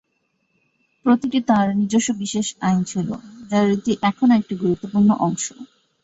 প্রতিটি তার নিজস্ব বিশেষ আইন ছিল, যার রীতি এখনও একটি গুরুত্বপূর্ণ অংশ।